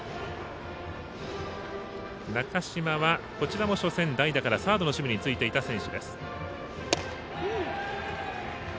中嶋は、初戦代打からサードの守備についていた選手です。